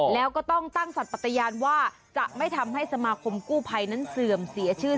แล้วก็ต้องตั้งสัตว์ปัตยานว่าจะไม่ทำให้สมาคมกู้ภัยนั้นเสื่อมเสียชื่อ